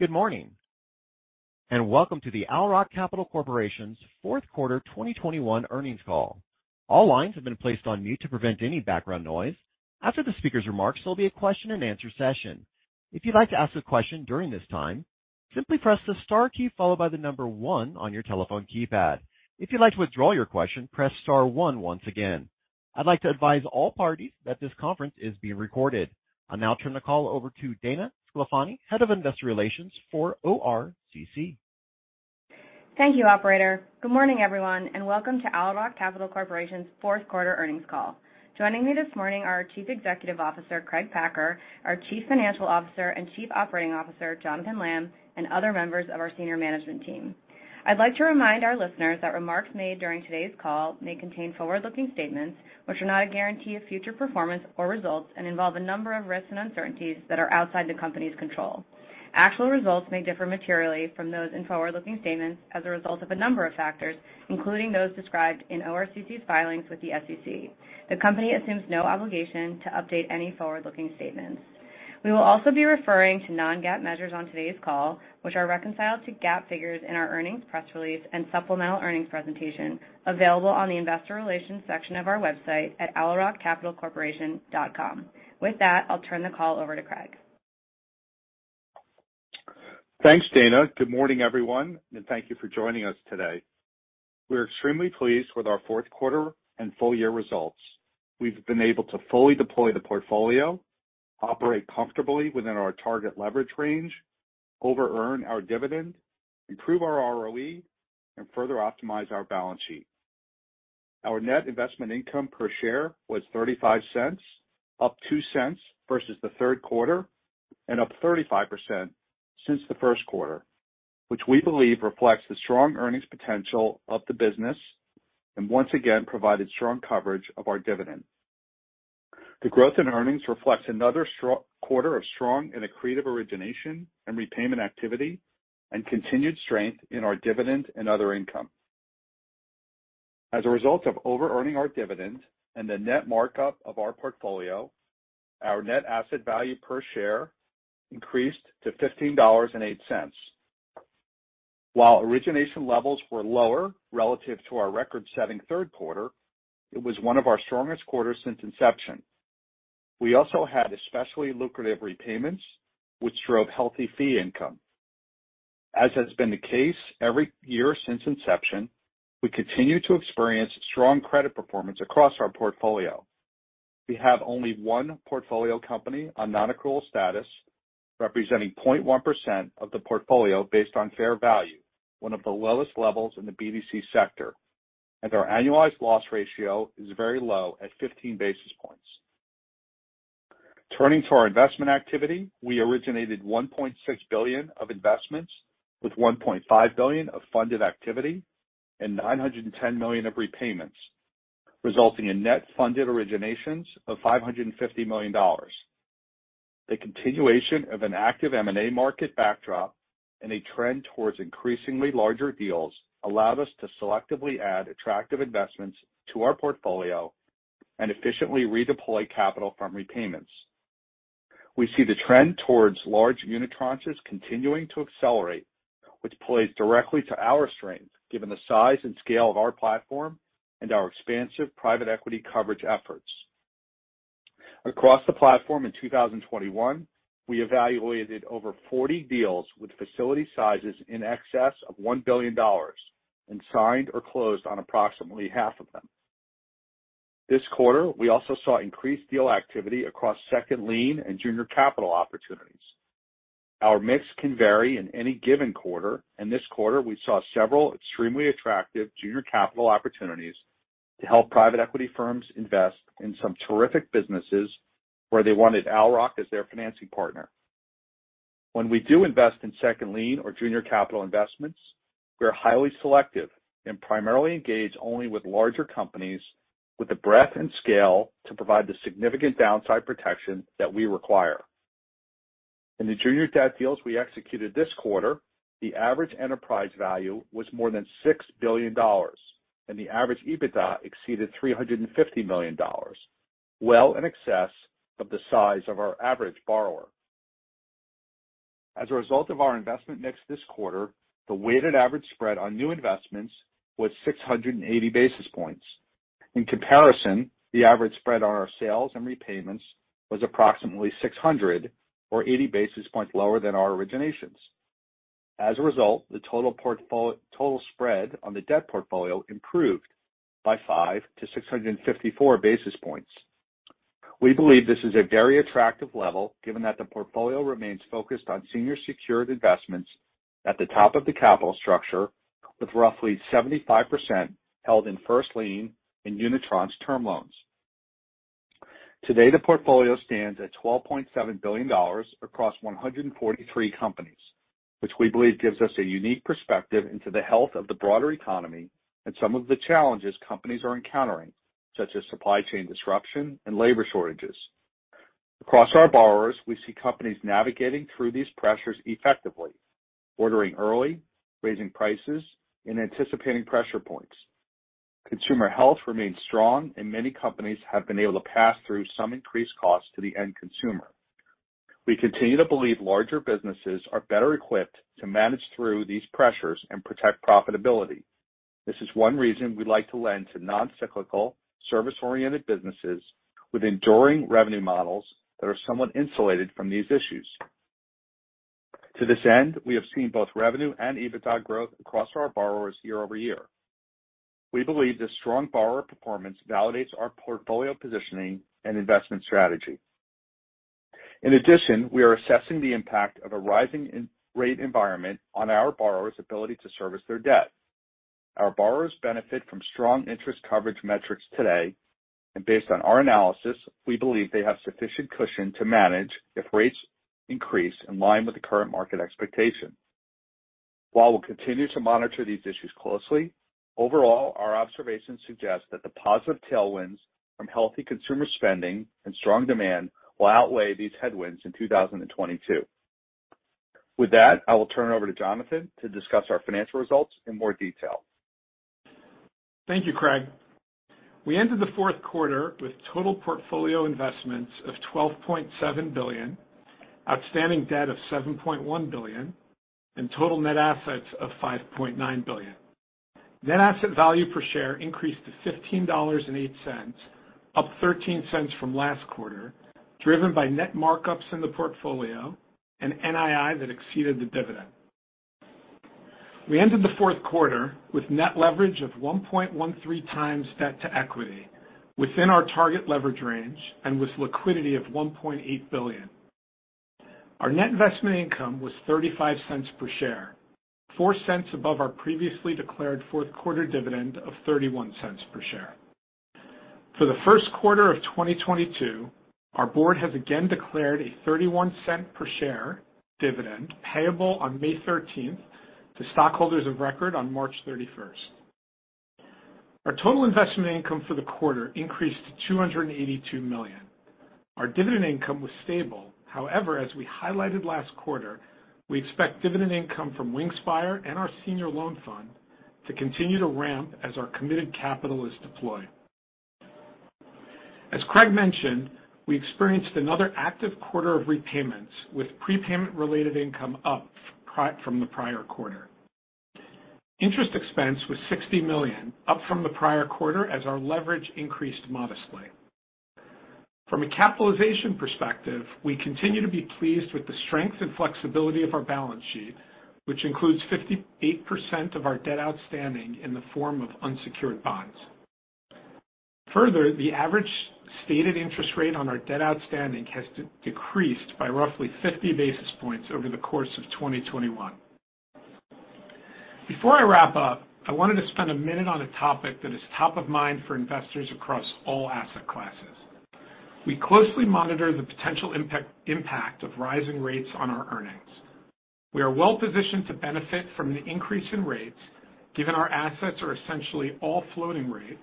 Good morning, and welcome to the Owl Rock Capital Corporation's fourth quarter 2021 earnings call. All lines have been placed on mute to prevent any background noise. After the speaker's remarks, there'll be a question-and-answer session. If you'd like to ask a question during this time, simply press the star key followed by the number one on your telephone keypad. If you'd like to withdraw your question, press star one once again. I'd like to advise all parties that this conference is being recorded. I'll now turn the call over to Dana Sclafani, Head of Investor Relations for ORCC. Thank you, operator. Good morning, everyone, and welcome to Owl Rock Capital Corporation's fourth quarter earnings call. Joining me this morning are our Chief Executive Officer, Craig Packer, our Chief Financial Officer and Chief Operating Officer, Jonathan Lamb, and other members of our senior management team. I'd like to remind our listeners that remarks made during today's call may contain forward-looking statements which are not a guarantee of future performance or results and involve a number of risks and uncertainties that are outside the company's control. Actual results may differ materially from those in forward-looking statements as a result of a number of factors, including those described in ORCC's filings with the SEC. The company assumes no obligation to update any forward-looking statements. We will also be referring to non-GAAP measures on today's call, which are reconciled to GAAP figures in our earnings press release and supplemental earnings presentation available on the investor relations section of our website at owlrockcapitalcorporation.com. With that, I'll turn the call over to Craig. Thanks, Dana. Good morning, everyone, and thank you for joining us today. We're extremely pleased with our fourth quarter and full year results. We've been able to fully deploy the portfolio, operate comfortably within our target leverage range, over earn our dividend, improve our ROE, and further optimize our balance sheet. Our net investment income per share was $0.35, up $0.02 versus the third quarter, and up 35% since the first quarter, which we believe reflects the strong earnings potential of the business and once again provided strong coverage of our dividend. The growth in earnings reflects another strong quarter of strong and accretive origination and repayment activity and continued strength in our dividend and other income. As a result of overearning our dividend and the net markup of our portfolio, our net asset value per share increased to $15.08. While origination levels were lower relative to our record-setting third quarter, it was one of our strongest quarters since inception. We also had especially lucrative repayments which drove healthy fee income. As has been the case every year since inception, we continue to experience strong credit performance across our portfolio. We have only one portfolio company on non-accrual status, representing 0.1% of the portfolio based on fair value, one of the lowest levels in the BDC sector, and our annualized loss ratio is very low at 15 basis points. Turning to our investment activity, we originated $1.6 billion of investments with $1.5 billion of funded activity and $910 million of repayments, resulting in net funded originations of $550 million. The continuation of an active M&A market backdrop and a trend towards increasingly larger deals allowed us to selectively add attractive investments to our portfolio and efficiently redeploy capital from repayments. We see the trend towards large unitranches continuing to accelerate, which plays directly to our strength given the size and scale of our platform and our expansive private equity coverage efforts. Across the platform in 2021, we evaluated over 40 deals with facility sizes in excess of $1 billion and signed or closed on approximately half of them. This quarter, we also saw increased deal activity across second lien and junior capital opportunities. Our mix can vary in any given quarter, and this quarter we saw several extremely attractive junior capital opportunities to help private equity firms invest in some terrific businesses where they wanted Owl Rock as their financing partner. When we do invest in second lien or junior capital investments, we are highly selective and primarily engage only with larger companies with the breadth and scale to provide the significant downside protection that we require. In the junior debt deals we executed this quarter, the average enterprise value was more than $6 billion, and the average EBITDA exceeded $350 million, well in excess of the size of our average borrower. As a result of our investment mix this quarter, the weighted average spread on new investments was 680 basis points. In comparison, the average spread on our sales and repayments was approximately 680 basis points lower than our originations. As a result, the total spread on the debt portfolio improved by 5-654 basis points. We believe this is a very attractive level, given that the portfolio remains focused on senior secured investments at the top of the capital structure with roughly 75% held in first-lien unitranche term loans. Today, the portfolio stands at $12.7 billion across 143 companies, which we believe gives us a unique perspective into the health of the broader economy and some of the challenges companies are encountering, such as supply chain disruption and labor shortages. Across our borrowers, we see companies navigating through these pressures effectively, ordering early, raising prices, and anticipating pressure points. Consumer health remains strong, and many companies have been able to pass through some increased costs to the end consumer. We continue to believe larger businesses are better equipped to manage through these pressures and protect profitability. This is one reason we like to lend to non-cyclical service-oriented businesses with enduring revenue models that are somewhat insulated from these issues. To this end, we have seen both revenue and EBITDA growth across our borrowers year-over-year. We believe this strong borrower performance validates our portfolio positioning and investment strategy. In addition, we are assessing the impact of a rising interest rate environment on our borrowers' ability to service their debt. Our borrowers benefit from strong interest coverage metrics today, and based on our analysis, we believe they have sufficient cushion to manage if rates increase in line with the current market expectation. While we'll continue to monitor these issues closely, overall, our observations suggest that the positive tailwinds from healthy consumer spending and strong demand will outweigh these headwinds in 2022. With that, I will turn it over to Jonathan to discuss our financial results in more detail. Thank you, Craig. We ended the fourth quarter with total portfolio investments of $12.7 billion, outstanding debt of $7.1 billion, and total net assets of $5.9 billion. Net asset value per share increased to $15.08, up 13 cents from last quarter, driven by net markups in the portfolio and NII that exceeded the dividend. We ended the fourth quarter with net leverage of 1.13x debt to equity within our target leverage range and with liquidity of $1.8 billion. Our net investment income was 35 cents per share, 4 cents above our previously declared fourth-quarter dividend of 31 cents per share. For the first quarter of 2022, our board has again declared a 31-cent per share dividend payable on May 13 to stockholders of record on March 31. Our total investment income for the quarter increased to $282 million. Our dividend income was stable. However, as we highlighted last quarter, we expect dividend income from Wingspire and our senior loan fund to continue to ramp as our committed capital is deployed. As Craig mentioned, we experienced another active quarter of repayments, with prepayment-related income up from the prior quarter. Interest expense was $60 million, up from the prior quarter as our leverage increased modestly. From a capitalization perspective, we continue to be pleased with the strength and flexibility of our balance sheet, which includes 58% of our debt outstanding in the form of unsecured bonds. Further, the average stated interest rate on our debt outstanding has decreased by roughly 50 basis points over the course of 2021. Before I wrap up, I wanted to spend a minute on a topic that is top of mind for investors across all asset classes. We closely monitor the potential impact of rising rates on our earnings. We are well-positioned to benefit from the increase in rates, given our assets are essentially all floating rate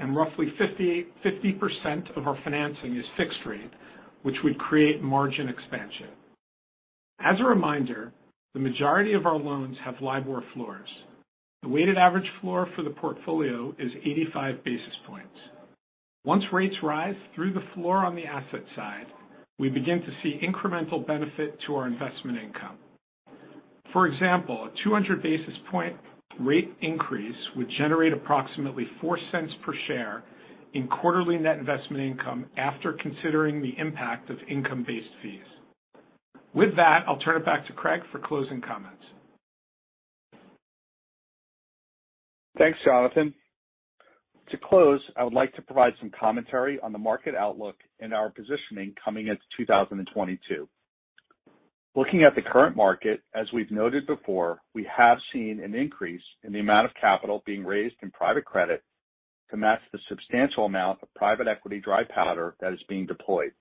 and roughly 50%-58% of our financing is fixed rate, which would create margin expansion. As a reminder, the majority of our loans have LIBOR floors. The weighted average floor for the portfolio is 85 basis points. Once rates rise through the floor on the asset side, we begin to see incremental benefit to our investment income. For example, a 200 basis point rate increase would generate approximately $0.04 per share in quarterly net investment income after considering the impact of income-based fees. With that, I'll turn it back to Craig for closing comments. Thanks, Jonathan. To close, I would like to provide some commentary on the market outlook and our positioning coming into 2022. Looking at the current market, as we've noted before, we have seen an increase in the amount of capital being raised in private credit to match the substantial amount of private equity dry powder that is being deployed.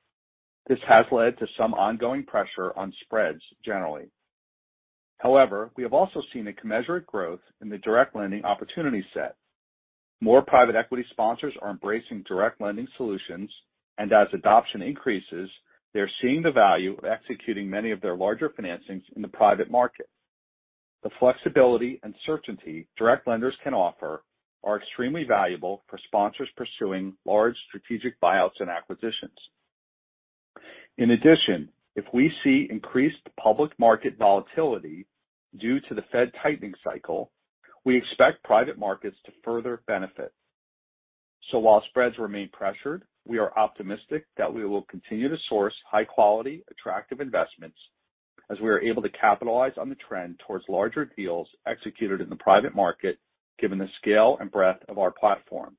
This has led to some ongoing pressure on spreads generally. However, we have also seen a commensurate growth in the direct lending opportunity set. More private equity sponsors are embracing direct lending solutions, and as adoption increases, they're seeing the value of executing many of their larger financings in the private market. The flexibility and certainty direct lenders can offer are extremely valuable for sponsors pursuing large strategic buyouts and acquisitions. In addition, if we see increased public market volatility due to the Fed tightening cycle, we expect private markets to further benefit. While spreads remain pressured, we are optimistic that we will continue to source high-quality, attractive investments as we are able to capitalize on the trend towards larger deals executed in the private market, given the scale and breadth of our platform.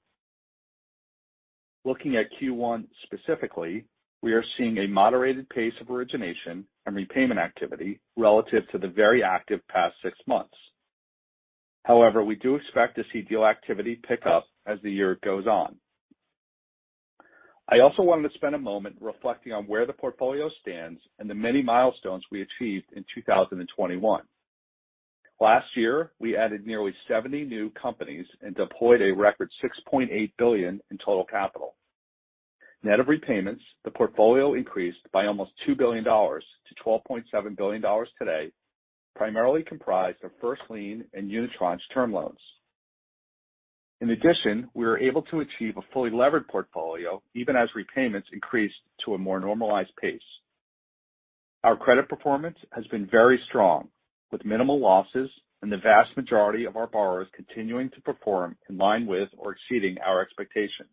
Looking at Q1 specifically, we are seeing a moderated pace of origination and repayment activity relative to the very active past six months. However, we do expect to see deal activity pick up as the year goes on. I also wanted to spend a moment reflecting on where the portfolio stands and the many milestones we achieved in 2021. Last year, we added nearly 70 new companies and deployed a record $6.8 billion in total capital. Net of repayments, the portfolio increased by almost $2 billion to $12.7 billion today, primarily comprised of first lien and unitranche term loans. In addition, we were able to achieve a fully levered portfolio even as repayments increased to a more normalized pace. Our credit performance has been very strong, with minimal losses and the vast majority of our borrowers continuing to perform in line with or exceeding our expectations.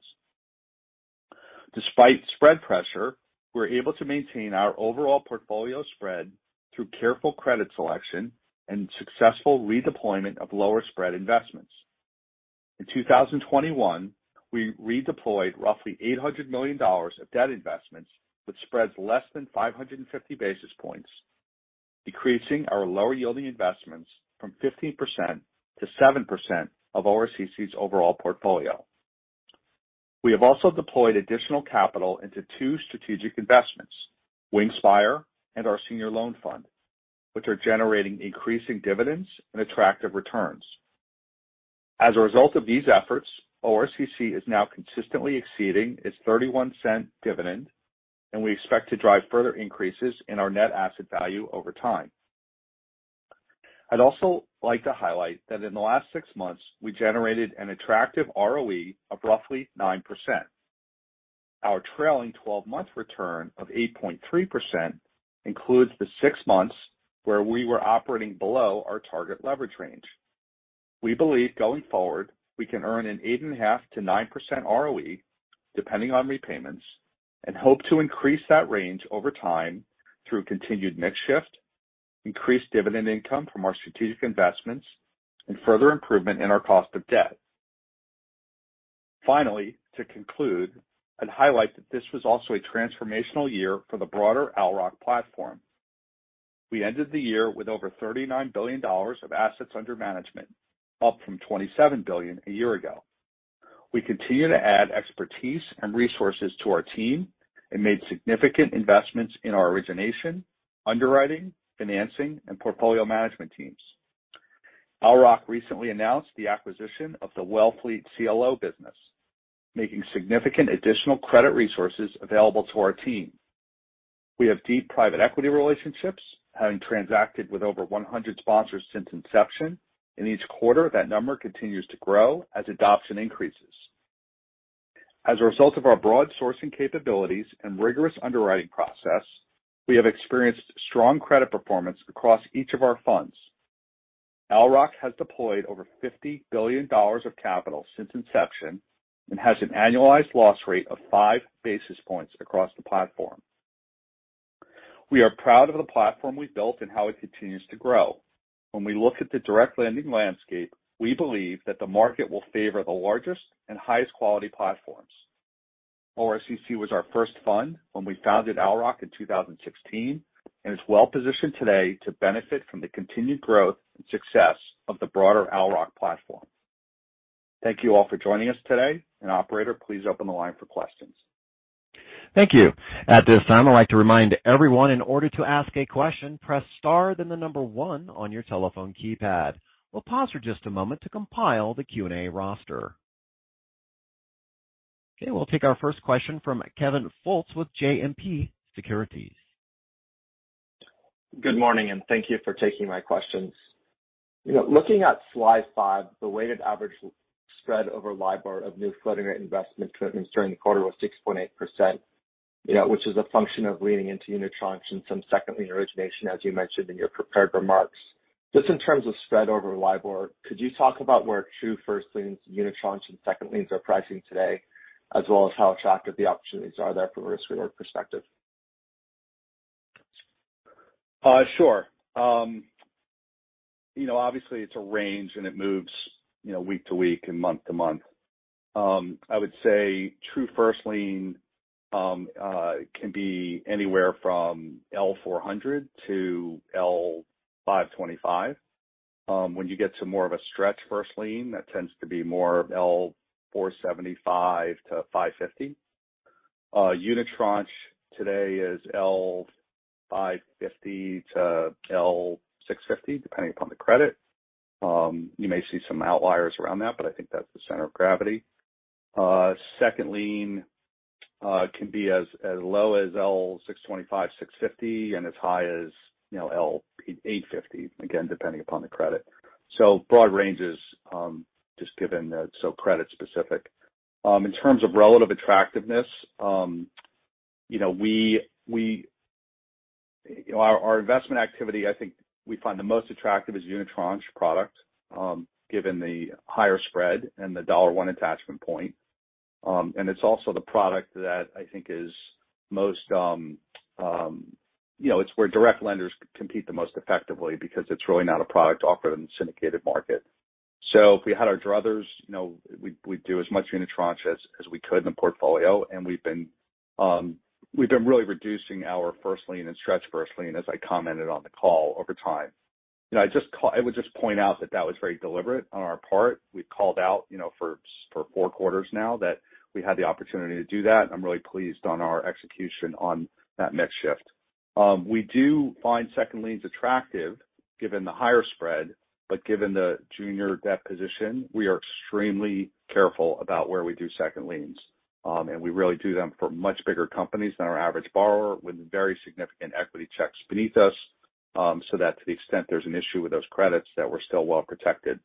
Despite spread pressure, we're able to maintain our overall portfolio spread through careful credit selection and successful redeployment of lower spread investments. In 2021, we redeployed roughly $800 million of debt investments with spreads less than 550 basis points, decreasing our lower yielding investments from 15% to 7% of ORCC's overall portfolio. We have also deployed additional capital into two strategic investments, Wingspire and our senior loan fund, which are generating increasing dividends and attractive returns. As a result of these efforts, ORCC is now consistently exceeding its $0.31 dividend, and we expect to drive further increases in our net asset value over time. I'd also like to highlight that in the last six months, we generated an attractive ROE of roughly 9%. Our trailing twelve-month return of 8.3% includes the six months where we were operating below our target leverage range. We believe going forward, we can earn an 8.5%-9% ROE depending on repayments, and hope to increase that range over time through continued mix shift, increased dividend income from our strategic investments, and further improvement in our cost of debt. Finally, to conclude, I'd highlight that this was also a transformational year for the broader Owl Rock platform. We ended the year with over $39 billion of assets under management, up from $27 billion a year ago. We continue to add expertise and resources to our team and made significant investments in our origination, underwriting, financing, and portfolio management teams. Owl Rock recently announced the acquisition of the Wellfleet CLO business, making significant additional credit resources available to our team. We have deep private equity relationships, having transacted with over 100 sponsors since inception. In each quarter, that number continues to grow as adoption increases. As a result of our broad sourcing capabilities and rigorous underwriting process, we have experienced strong credit performance across each of our funds. Owl Rock has deployed over $50 billion of capital since inception and has an annualized loss rate of 5 basis points across the platform. We are proud of the platform we built and how it continues to grow. When we look at the direct lending landscape, we believe that the market will favor the largest and highest quality platforms. ORCC was our first fund when we founded Owl Rock in 2016, and it's well-positioned today to benefit from the continued growth and success of the broader Owl Rock platform. Thank you all for joining us today. Operator, please open the line for questions. Thank you. At this time, I'd like to remind everyone, in order to ask a question, press star then the number one on your telephone keypad. We'll pause for just a moment to compile the Q&A roster. Okay, we'll take our first question from Kevin Fultz with JMP Securities. Good morning, and thank you for taking my questions. You know, looking at slide five, the weighted average spread over LIBOR of new floating rate investment commitments during the quarter was 6.8%, you know, which is a function of leaning into unitranches and some second lien origination, as you mentioned in your prepared remarks. Just in terms of spread over LIBOR, could you talk about where true first liens, unitranches, and second liens are pricing today, as well as how attractive the opportunities are there from a risk-reward perspective? Sure. You know, obviously it's a range and it moves, you know, week to week and month to month. I would say true first lien can be anywhere from L 400 to L 525. When you get to more of a stretch first lien, that tends to be more L 475 to 550. Unitranche today is L 550 to L 650, depending upon the credit. You may see some outliers around that, but I think that's the center of gravity. Second lien can be as low as L 625, 650, and as high as, you know, L 850, again, depending upon the credit. Broad ranges, just given that it's so credit specific. In terms of relative attractiveness, our investment activity, I think we find the most attractive is unitranche product, given the higher spread and the $1 attachment point. It's also the product that I think is most, it's where direct lenders compete the most effectively because it's really not a product offered in the syndicated market. If we had our druthers, we'd do as much unitranche as we could in the portfolio, and we've been really reducing our first lien and stretch first lien, as I commented on the call, over time. I would just point out that that was very deliberate on our part. We've called out, you know, for four quarters now that we had the opportunity to do that. I'm really pleased on our execution on that mix shift. We do find second liens attractive given the higher spread. But given the junior debt position, we are extremely careful about where we do second liens. We really do them for much bigger companies than our average borrower with very significant equity checks beneath us, so that to the extent there's an issue with those credits that we're still well protected.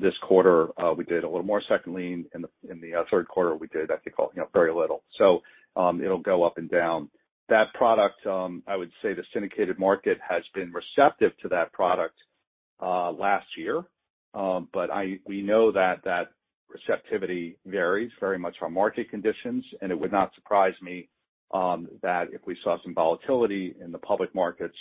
This quarter, we did a little more second lien. In the third quarter, we did, I think, you know, very little. It'll go up and down. That product, I would say the syndicated market has been receptive to that product last year. We know that receptivity varies very much on market conditions, and it would not surprise me that if we saw some volatility in the public markets,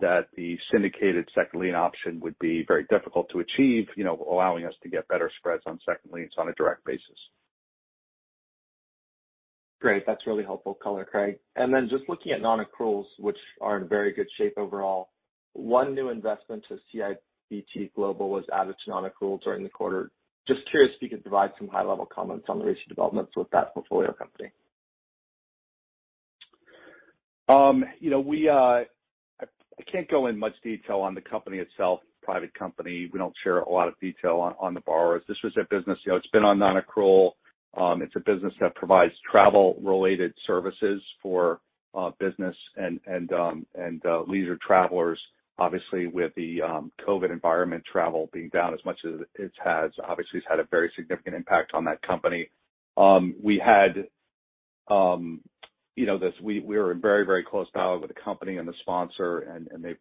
that the syndicated second lien option would be very difficult to achieve, you know, allowing us to get better spreads on second liens on a direct basis. Great. That's really helpful color, Craig. Just looking at non-accruals, which are in very good shape overall. One new investment to CIBT Global was added to non-accrual during the quarter. Just curious if you could provide some high-level comments on the recent developments with that portfolio company. You know, I can't go in much detail on the company itself. It's a private company. We don't share a lot of detail on the borrowers. This was a business, you know, it's been on non-accrual. It's a business that provides travel-related services for business and leisure travelers. Obviously, with the COVID environment, travel being down as much as it has, obviously has had a very significant impact on that company. We were in very close dialogue with the company and the sponsor, and the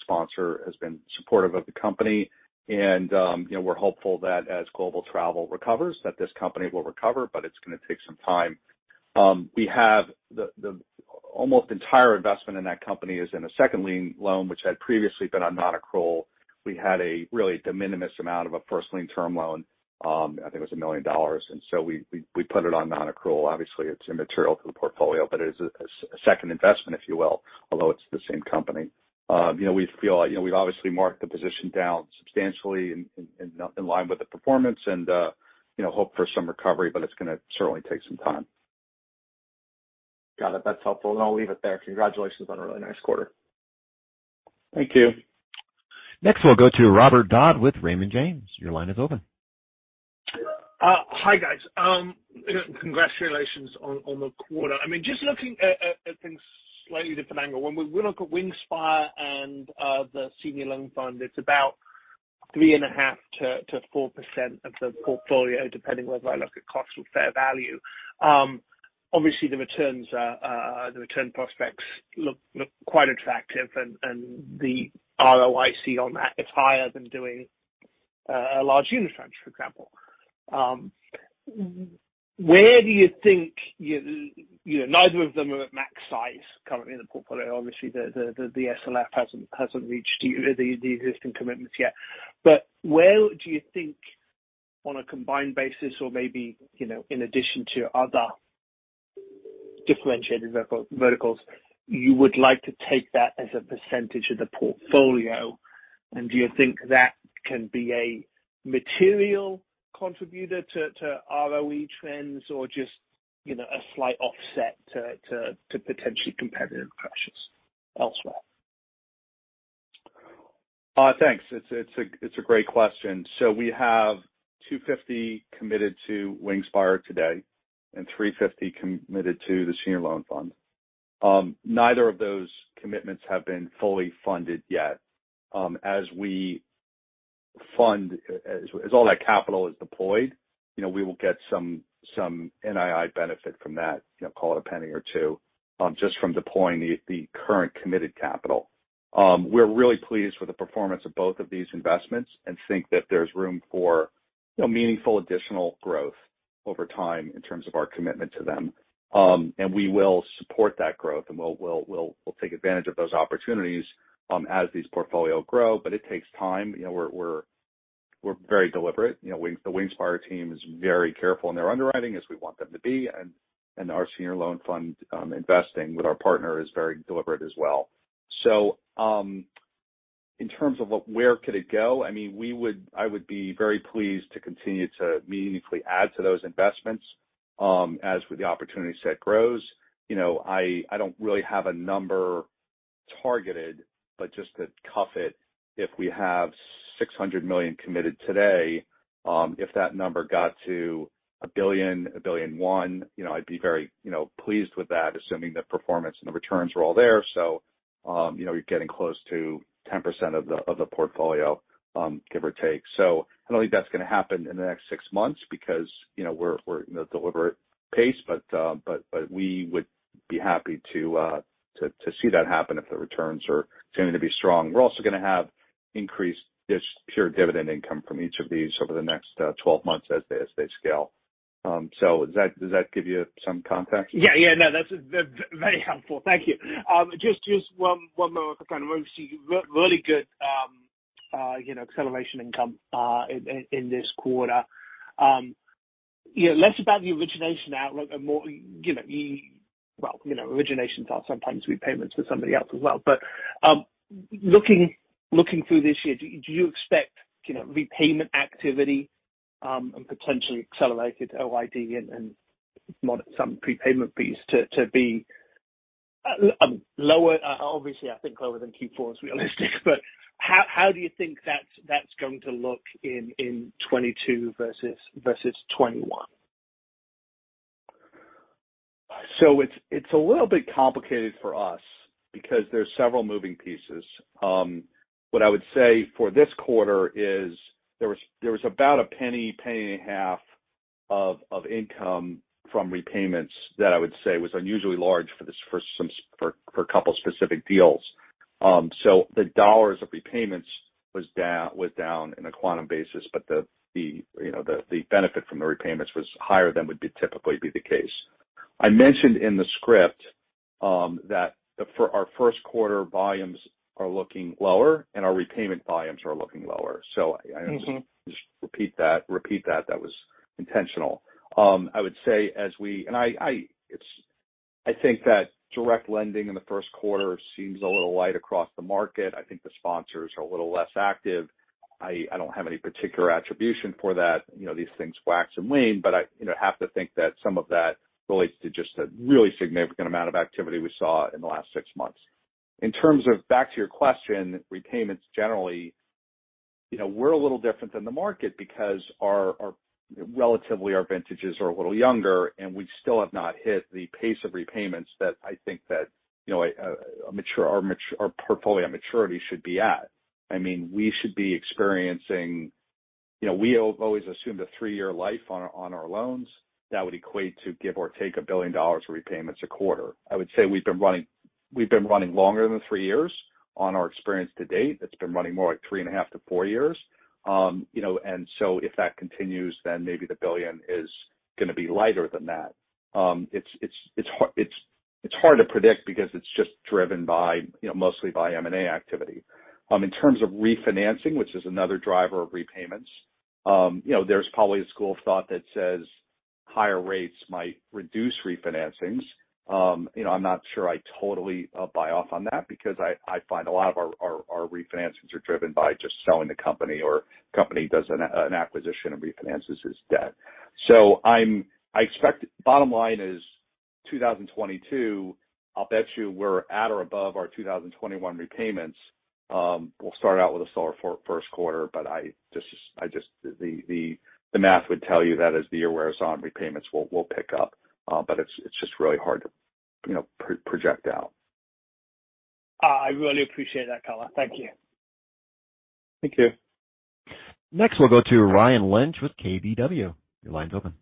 sponsor has been supportive of the company. You know, we're hopeful that as global travel recovers, that this company will recover, but it's gonna take some time. We have the almost entire investment in that company is in a second lien loan which had previously been on non-accrual. We had a really de minimis amount of a first lien term loan. I think it was $1 million. We put it on non-accrual. Obviously, it's immaterial to the portfolio, but it is a second investment, if you will, although it's the same company. You know, we feel like, you know, we've obviously marked the position down substantially in line with the performance and, you know, hope for some recovery, but it's gonna certainly take some time. Got it. That's helpful. I'll leave it there. Congratulations on a really nice quarter. Thank you. Next, we'll go to Robert Dodd with Raymond James. Your line is open. Hi, guys. Congratulations on the quarter. I mean, just looking at things slightly different angle. When we look at Wingspire Capital and the senior loan fund, it's about 3.5%-4% of the portfolio, depending whether I look at cost or fair value. Obviously the returns, the return prospects look quite attractive and the ROIC on that is higher than doing a large unitranche, for example. Where do you think, you know, neither of them are at max size currently in the portfolio. Obviously, the SLF hasn't reached the existing commitments yet. Where do you think on a combined basis or maybe, you know, in addition to other differentiated verticals, you would like to take that as a percentage of the portfolio? Do you think that can be a material contributor to ROE trends or just, you know, a slight offset to potentially competitive pressures elsewhere? Thanks. It's a great question. We have $250 committed to Wingspire Capital today and $350 committed to the senior loan fund. Neither of those commitments have been fully funded yet. As all that capital is deployed, you know, we will get some NII benefit from that, you know, call it a penny or two, just from deploying the current committed capital. We're really pleased with the performance of both of these investments and think that there's room for, you know, meaningful additional growth over time in terms of our commitment to them. We will support that growth and we'll take advantage of those opportunities, as these portfolios grow. It takes time. You know, we're very deliberate. You know, the Wingspire Capital team is very careful in their underwriting as we want them to be. Our senior loan fund investing with our partner is very deliberate as well. In terms of where could it go, I mean, I would be very pleased to continue to meaningfully add to those investments as the opportunity set grows. You know, I don't really have a number targeted, but just off the cuff, if we have $600 million committed today, if that number got to $1 billion, $1.1 billion, you know, I'd be very pleased with that, assuming the performance and the returns are all there. You know, you're getting close to 10% of the portfolio, give or take. I don't think that's gonna happen in the next six months because, you know, we're in a deliberate pace, but we would be happy to see that happen if the returns are continuing to be strong. We're also gonna have increased just pure dividend income from each of these over the next 12 months as they scale. Does that give you some context? Yeah, yeah. No, that's very helpful. Thank you. Just one more quick one. We've seen really good, you know, acceleration income in this quarter. You know, less about the origination outlook and more, you know, well, you know, originations are sometimes repayments for somebody else as well. Looking through this year, do you expect, you know, repayment activity and potentially accelerated OID and maybe some prepayment fees to be lower, obviously I think lower than Q4 is realistic. How do you think that's going to look in 2022 versus 2021? It's a little bit complicated for us because there's several moving pieces. What I would say for this quarter is there was about $0.015 of income from repayments that I would say was unusually large for some specific deals. The dollars of repayments was down in a quantum basis, but the benefit from the repayments was higher than would typically be the case. I mentioned in the script that our first quarter volumes are looking lower and our repayment volumes are looking lower. I Mm-hmm. That was intentional. I would say, I think that direct lending in the first quarter seems a little light across the market. I think the sponsors are a little less active. I don't have any particular attribution for that. You know, these things wax and wane, but I, you know, have to think that some of that relates to just a really significant amount of activity we saw in the last six months. In terms of, back to your question, repayments generally, you know, we're a little different than the market because our vintages are relatively a little younger, and we still have not hit the pace of repayments that I think you know a mature, our portfolio maturity should be at. I mean, we should be experiencing. You know, we always assumed a three-year life on our loans. That would equate to give or take $1 billion of repayments a quarter. I would say we've been running longer than three years on our experience to date. It's been running more like 3.5-4 years. If that continues, then maybe the $1 billion is gonna be lighter than that. It's hard to predict because it's just driven by, you know, mostly by M&A activity. In terms of refinancing, which is another driver of repayments, you know, there's probably a school of thought that says higher rates might reduce refinancings. You know, I'm not sure I totally buy into that because I find a lot of our refinancings are driven by just selling the company or company does an acquisition and refinances its debt. I expect bottom line is 2022, I'll bet you we're at or above our 2021 repayments. We'll start out with a slower first quarter, but I just, the math would tell you that as the year wears on, repayments will pick up. But it's just really hard to, you know, project out. I really appreciate that, Craig Packer. Thank you. Thank you. Next, we'll go to Ryan Lynch with KBW. Your line's open.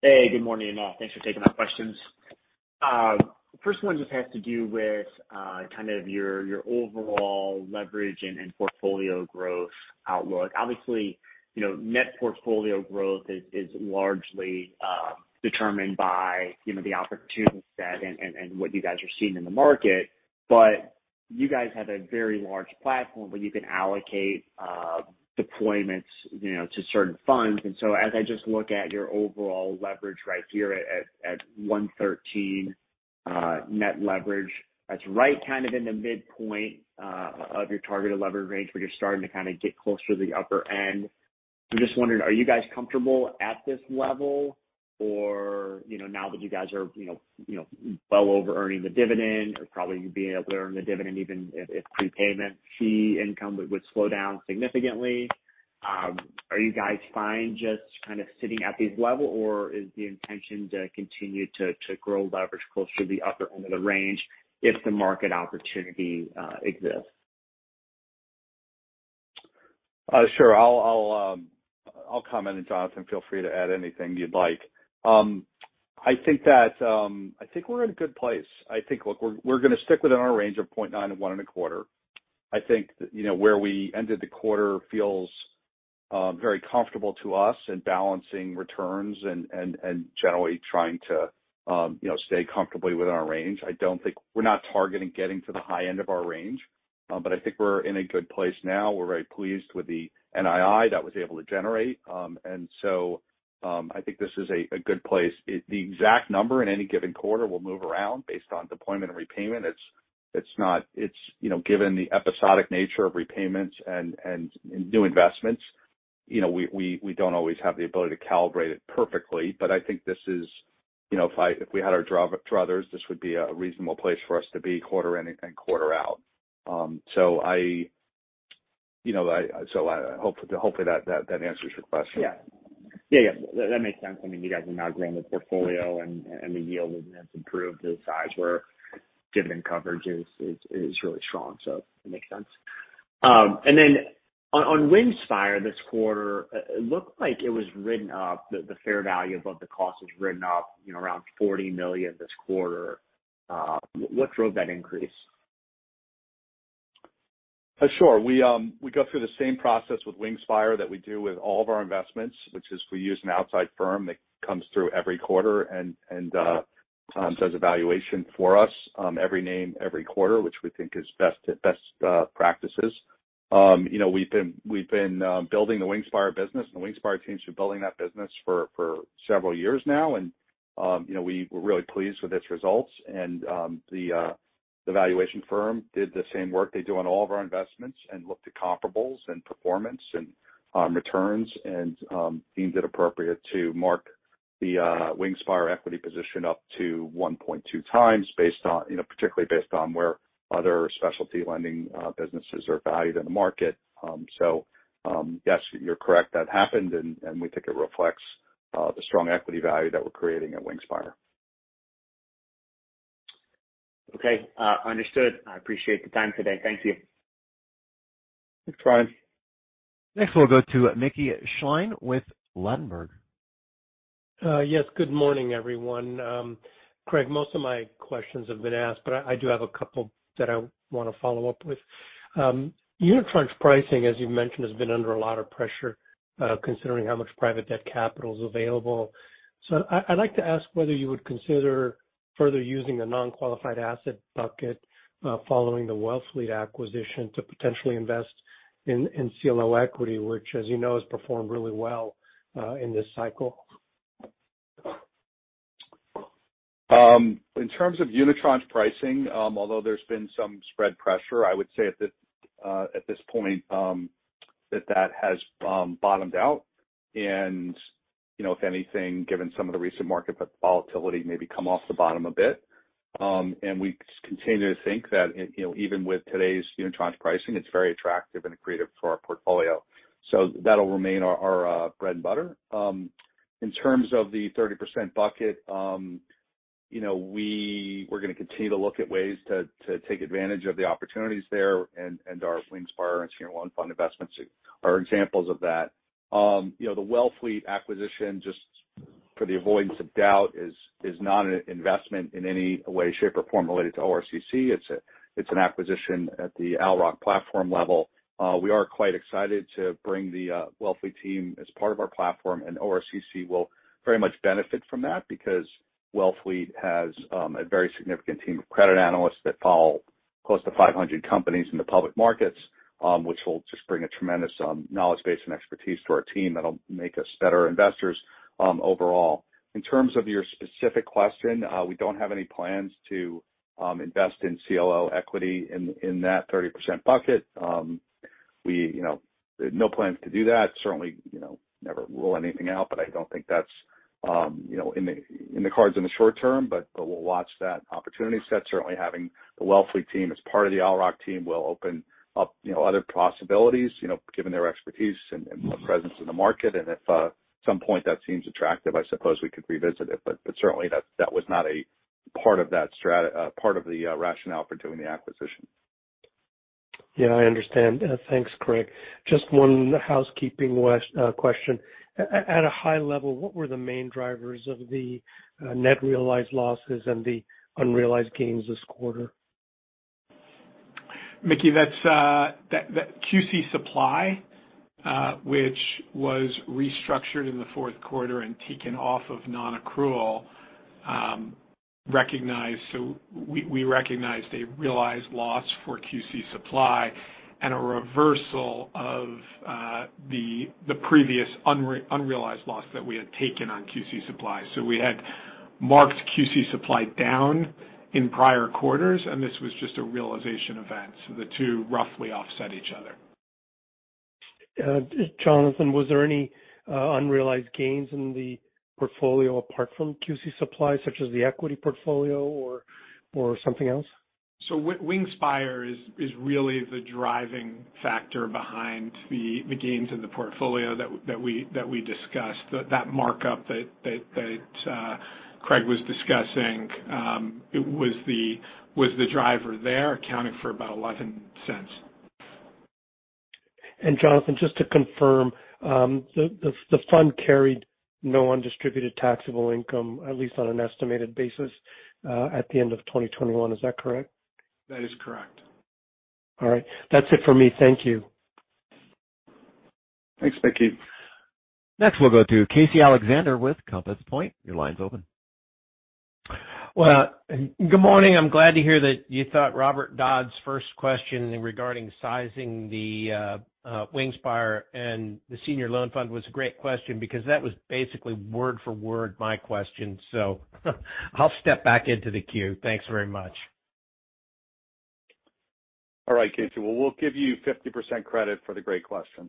Hey, good morning. Thanks for taking my questions. First one just has to do with kind of your overall leverage and portfolio growth outlook. Obviously, you know, net portfolio growth is largely determined by, you know, the opportunity set and what you guys are seeing in the market. But you guys have a very large platform where you can allocate deployments, you know, to certain funds. As I just look at your overall leverage right here at 1.13 net leverage, that's right kind of in the midpoint of your targeted leverage range where you're starting to kind of get closer to the upper end. I'm just wondering, are you guys comfortable at this level? You know, now that you guys are, you know, well over earning the dividend or probably being able to earn the dividend even if prepayment fee income would slow down significantly, are you guys fine just kind of sitting at these levels or is the intention to continue to grow leverage closer to the upper end of the range if the market opportunity exists? Sure. I'll comment, and Jonathan, feel free to add anything you'd like. I think we're in a good place. I think, look, we're gonna stick within our range of 0.9-1.25. I think, you know, where we ended the quarter feels very comfortable to us in balancing returns and generally trying to, you know, stay comfortably within our range. We're not targeting getting to the high end of our range. I think we're in a good place now. We're very pleased with the NII that was able to generate. I think this is a good place. The exact number in any given quarter will move around based on deployment and repayment. It's not, you know, given the episodic nature of repayments and new investments, you know, we don't always have the ability to calibrate it perfectly. I think this is, you know, if we had our druthers, this would be a reasonable place for us to be quarter in and quarter out. You know, I hopefully that answers your question. Yeah. Yeah, yeah. That makes sense. I mean, you guys have now grown the portfolio and the yield has improved to the size where dividend coverage is really strong. It makes sense. Then on Wingspire this quarter, it looked like it was written up, the fair value above the cost was written up, you know, around $40 million this quarter. What drove that increase? Sure. We go through the same process with Wingspire that we do with all of our investments, which is we use an outside firm that comes through every quarter and does evaluation for us every name, every quarter, which we think is best practices. You know, we've been building the Wingspire business, and the Wingspire team's been building that business for several years now. you know, we're really pleased with its results and the valuation firm did the same work they do on all of our investments, and looked at comparables and performance and returns and deemed it appropriate to mark the Wingspire Capital equity position up to 1.2x based on, you know, particularly based on where other specialty lending businesses are valued in the market. yes, you're correct. That happened and we think it reflects the strong equity value that we're creating at Wingspire Capital. Okay. Understood. I appreciate the time today. Thank you. Thanks, Brian. Next, we'll go to Mickey Schleien with Ladenburg. Yes, good morning, everyone. Craig, most of my questions have been asked, but I do have a couple that I wanna follow up with. Unitranche pricing, as you've mentioned, has been under a lot of pressure, considering how much private debt capital is available. I'd like to ask whether you would consider further using the non-qualified asset bucket, following the Wellfleet acquisition to potentially invest in CLO equity, which as you know, has performed really well, in this cycle. In terms of unitranche pricing, although there's been some spread pressure, I would say at this point that has bottomed out. You know, if anything, given some of the recent market volatility maybe come off the bottom a bit. We continue to think that, you know, even with today's unitranche pricing, it's very attractive and accretive for our portfolio. That'll remain our bread and butter. In terms of the 30% bucket, you know, we're gonna continue to look at ways to take advantage of the opportunities there and our Wingspire and senior loan fund investments are examples of that. You know, the Wellfleet acquisition, just for the avoidance of doubt, is not an investment in any way, shape, or form related to ORCC. It's an acquisition at the Owl Rock platform level. We are quite excited to bring the Wellfleet team as part of our platform, and ORCC will very much benefit from that because Wellfleet has a very significant team of credit analysts that follow close to 500 companies in the public markets, which will just bring a tremendous knowledge base and expertise to our team that'll make us better investors overall. In terms of your specific question, we don't have any plans to invest in CLO equity in that 30% bucket. We, you know, no plans to do that. Certainly, you know, never rule anything out, but I don't think that's, you know, in the cards in the short term, but we'll watch that opportunity set. Certainly having the Wellfleet team as part of the Owl Rock team will open up, you know, other possibilities, you know, given their expertise and presence in the market. If at some point that seems attractive, I suppose we could revisit it, but certainly that was not a part of that part of the rationale for doing the acquisition. Yeah, I understand. Thanks, Craig. Just one housekeeping question. At a high level, what were the main drivers of the net realized losses and the unrealized gains this quarter? Mickey, that's QC Supply, which was restructured in the fourth quarter and taken off of non-accrual. We recognized a realized loss for QC Supply and a reversal of the previous unrealized loss that we had taken on QC Supply. We had marked QC Supply down in prior quarters, and this was just a realization event, so the two roughly offset each other. Jonathan, was there any unrealized gains in the portfolio apart from QC Supply, such as the equity portfolio or something else? Wingspire Capital is really the driving factor behind the gains in the portfolio that we discussed. That markup that Craig was discussing, it was the driver there, accounting for about $0.11. Jonathan, just to confirm, the fund carried no undistributed taxable income, at least on an estimated basis, at the end of 2021. Is that correct? That is correct. All right. That's it for me. Thank you. Thanks, Mickey. Next, we'll go to Casey Alexander with Compass Point. Your line's open. Well, good morning. I'm glad to hear that you thought Robert Dodd's first question regarding sizing the Wingspire Capital and the senior loan fund was a great question because that was basically word for word my question. I'll step back into the queue. Thanks very much. All right, Casey. Well, we'll give you 50% credit for the great question.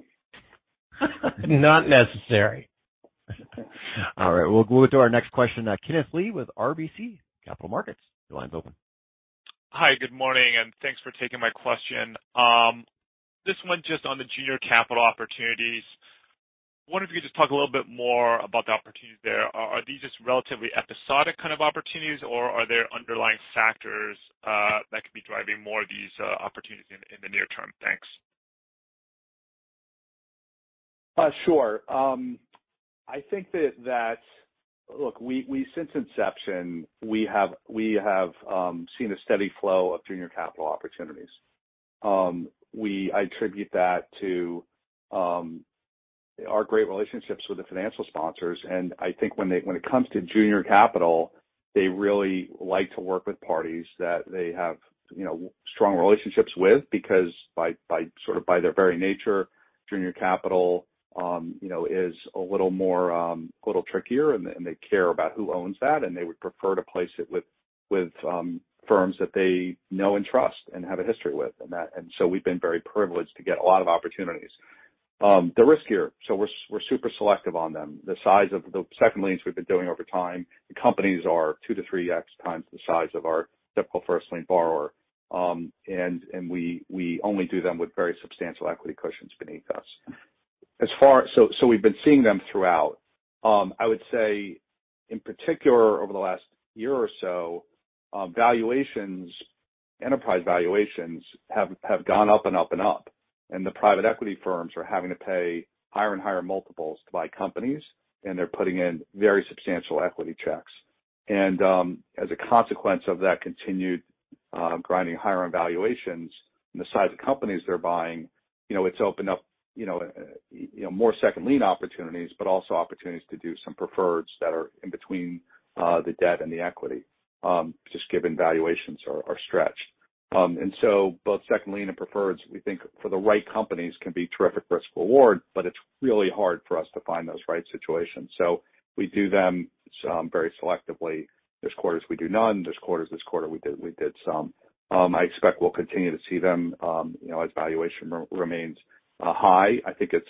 Not necessary. All right, we'll go to our next question, Kenneth Lee with RBC Capital Markets. Your line's open. Hi, good morning, and thanks for taking my question. This one just on the junior capital opportunities. Wondering if you could just talk a little bit more about the opportunities there. Are these just relatively episodic kind of opportunities, or are there underlying factors that could be driving more of these opportunities in the near term? Thanks. Sure. I think that since inception, we have seen a steady flow of junior capital opportunities. I attribute that to our great relationships with the financial sponsors. I think when it comes to junior capital, they really like to work with parties that they have, you know, strong relationships with, because by sort of by their very nature- Junior capital, you know, is a little more a little trickier, and they care about who owns that, and they would prefer to place it with firms that they know and trust and have a history with. We've been very privileged to get a lot of opportunities. The riskier. We're super selective on them. The size of the second liens we've been doing over time, the companies are 2-3x the size of our typical first lien borrower. We only do them with very substantial equity cushions beneath us. We've been seeing them throughout. I would say in particular over the last year or so, valuations, enterprise valuations have gone up and up and up. The private equity firms are having to pay higher and higher multiples to buy companies, and they're putting in very substantial equity checks. As a consequence of that continued grinding higher-end valuations and the size of companies they're buying, you know, it's opened up, you know, you know, more second lien opportunities, but also opportunities to do some preferreds that are in between the debt and the equity, just given valuations are stretched. Both second lien and preferreds, we think for the right companies, can be terrific risk reward, but it's really hard for us to find those right situations. So we do them very selectively. There's quarters we do none, there's quarters, this quarter we did some. I expect we'll continue to see them, you know, as valuation remains high. I think it's,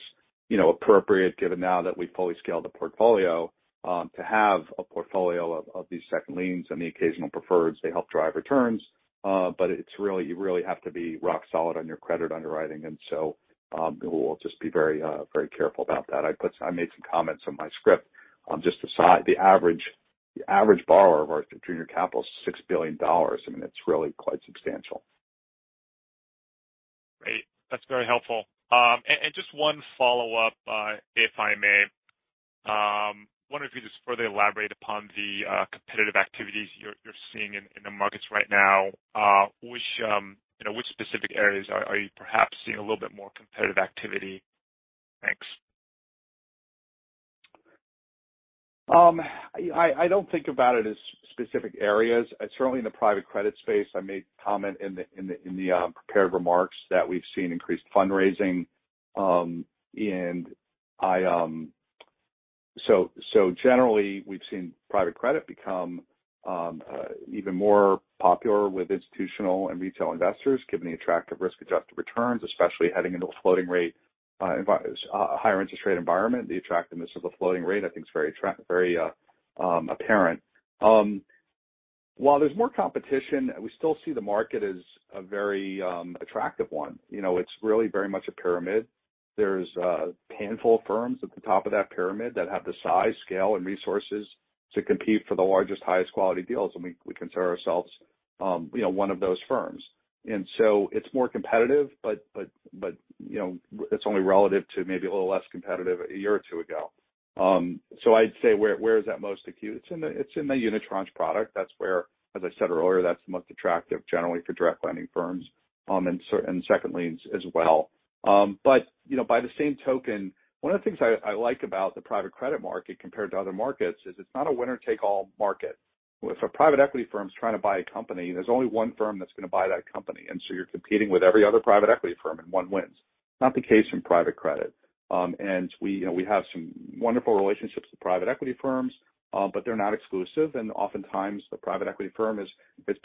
you know, appropriate given now that we've fully scaled the portfolio, to have a portfolio of these second liens and the occasional preferreds. They help drive returns. But it's really, you really have to be rock solid on your credit underwriting. We'll just be very, very careful about that. I made some comments on my script on just the average borrower of our junior capital is $6 billion. I mean, it's really quite substantial. Great. That's very helpful. Just one follow-up, if I may. I wonder if you just further elaborate upon the competitive activities you're seeing in the markets right now. Which specific areas are you perhaps seeing a little bit more competitive activity? Thanks. I don't think about it as specific areas. Certainly in the private credit space, I made comment in the prepared remarks that we've seen increased fundraising. Generally, we've seen private credit become even more popular with institutional and retail investors given the attractive risk-adjusted returns, especially heading into a floating rate, a higher interest rate environment. The attractiveness of the floating rate, I think is very apparent. While there's more competition, we still see the market as a very attractive one. You know, it's really very much a pyramid. There's a handful of firms at the top of that pyramid that have the size, scale, and resources to compete for the largest, highest quality deals. We consider ourselves, you know, one of those firms. It's more competitive, but, you know, it's only relative to maybe a little less competitive a year or two ago. I'd say where is that most acute? It's in the unitranche product. That's where, as I said earlier, that's the most attractive generally for direct lending firms, and second liens as well. You know, by the same token, one of the things I like about the private credit market compared to other markets is it's not a winner take all market. If a private equity firm is trying to buy a company, there's only one firm that's gonna buy that company. You're competing with every other private equity firm, and one wins. Not the case in private credit. We, you know, we have some wonderful relationships with private equity firms, but they're not exclusive. Oftentimes the private equity firm is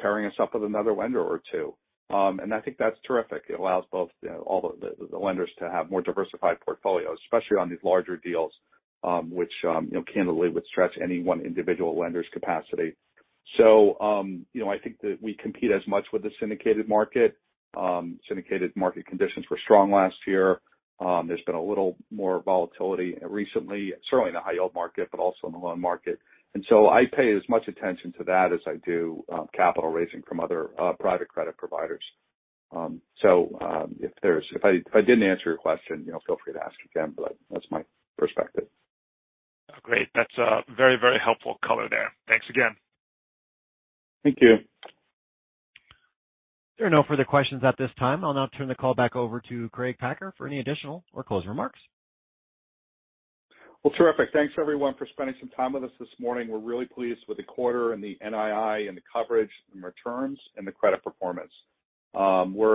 pairing us up with another lender or two. I think that's terrific. It allows both, you know, all the lenders to have more diversified portfolios, especially on these larger deals, which, you know, candidly would stretch any one individual lender's capacity. You know, I think that we compete as much with the syndicated market. Syndicated market conditions were strong last year. There's been a little more volatility recently, certainly in the high yield market, but also in the loan market. I pay as much attention to that as I do capital raising from other private credit providers. If I didn't answer your question, you know, feel free to ask again, but that's my perspective. Great. That's very, very helpful color there. Thanks again. Thank you. There are no further questions at this time. I'll now turn the call back over to Craig Packer for any additional or closing remarks. Well, terrific. Thanks, everyone, for spending some time with us this morning. We're really pleased with the quarter and the NII and the coverage and returns and the credit performance.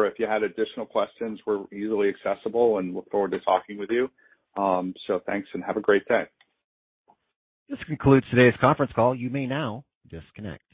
If you had additional questions, we're easily accessible and look forward to talking with you. Thanks and have a great day. This concludes today's conference call. You may now disconnect.